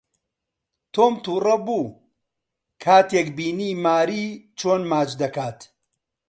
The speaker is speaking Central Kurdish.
تۆم تووڕە بوو کاتێک بینی ماری جۆن ماچ دەکات.